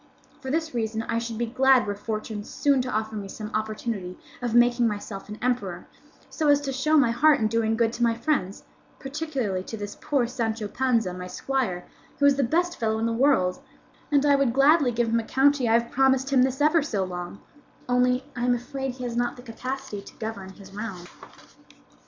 For this reason I should be glad were fortune soon to offer me some opportunity of making myself an emperor, so as to show my heart in doing good to my friends, particularly to this poor Sancho Panza, my squire, who is the best fellow in the world; and I would gladly give him a county I have promised him this ever so long, only that I am afraid he has not the capacity to govern his realm."